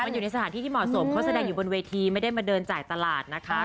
มันอยู่ในสถานที่ที่เหมาะสมเขาแสดงอยู่บนเวทีไม่ได้มาเดินจ่ายตลาดนะคะ